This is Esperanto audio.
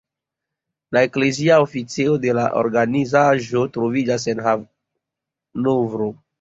La eklezia oficejo de la organizaĵo troviĝas en Hanovro.